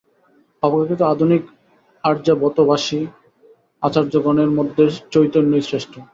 অপেক্ষাকৃত আধুনিক আর্যাবর্তবাসী আচার্যগণের মধ্যে চৈতন্যই শ্রেষ্ঠ।